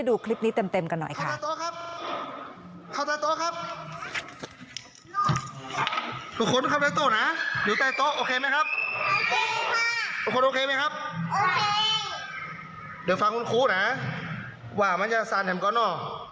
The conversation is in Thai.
เดี๋ยวฟังคุณครูนะว่ามันจะสารแถมกร้อนออก